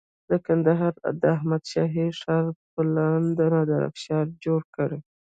د کندهار د احمد شاهي ښار پلان د نادر افشار جوړ کړ